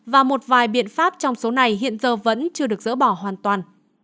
và một vài biện pháp trong số này hiện giờ vẫn chưa được dỡ bỏ hoàn toàn